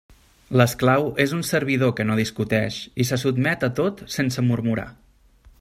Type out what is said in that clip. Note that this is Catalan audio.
L'esclau és un servidor que no discuteix i se sotmet a tot sense murmurar.